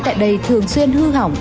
tại đây thường xuyên hư hỏng